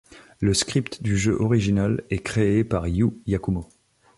Le script du jeu original est créé par Yū Yakumo.